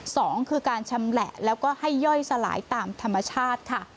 สองคือการชำแหละแล้วก็ให้ย่อยสลายตามธรรมชาติค่ะ